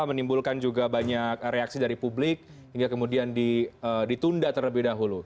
menimbulkan juga banyak reaksi dari publik hingga kemudian ditunda terlebih dahulu